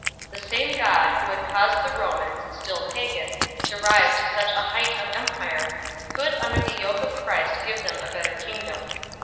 The same God who had caused the Romans, still pagan, to rise to such a height of empire, could under the yoke of Christ give them a better kingdom 2